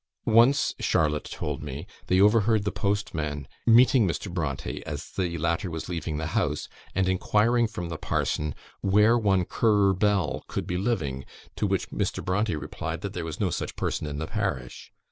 Once, Charlotte told me, they overheard the postman meeting Mr. Brontë, as the latter was leaving the house, and inquiring from the parson where one Currer Bell could be living, to which Mr. Brontë replied that there was no such person in the parish.